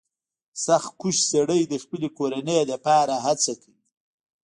• سختکوش سړی د خپلې کورنۍ لپاره هڅه کوي.